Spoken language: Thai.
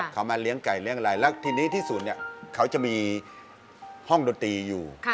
เขามาเลี้ยงไก่เลี้ยอะไรแล้วทีนี้ที่สุดเนี่ยเขาจะมีห้องดนตรีอยู่